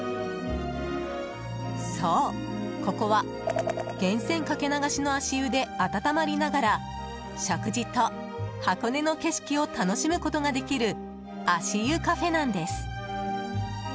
そう、ここは源泉かけ流しの足湯で温まりながら食事と箱根の景色を楽しむことができる足湯カフェなんです。